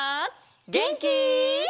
げんき？